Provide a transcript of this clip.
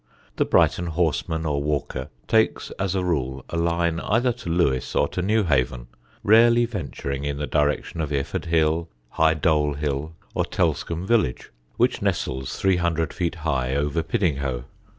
The Brighton horseman or walker takes as a rule a line either to Lewes or to Newhaven, rarely adventuring in the direction of Iford Hill, Highdole Hill, or Telscombe village, which nestles three hundred feet high, over Piddinghoe.